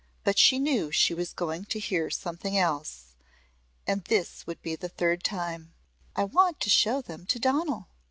But she knew she was going to hear something else. And this would be the third time. "I want to show them to Donal."